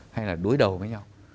hay là đối đầu với nhau